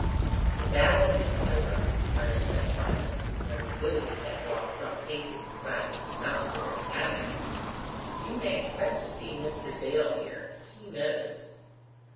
"The battle is over," Vernon said quietly, when Willoughby had walked some paces beside Mrs. Mountstuart, adding: "You may expect to see Mr. Dale here. He knows."